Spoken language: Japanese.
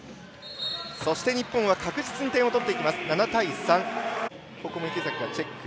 そして日本は確実に点を取っていきます。